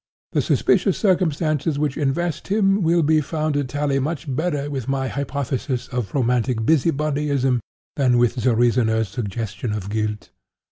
"The suspicious circumstances which invest him, will be found to tally much better with my hypothesis of romantic busy bodyism, than with the reasoner's suggestion of guilt.